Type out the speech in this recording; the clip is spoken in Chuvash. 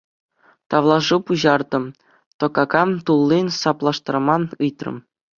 Тавлашу пуҫартӑм, тӑкака туллин саплаштарма ыйтрӑм.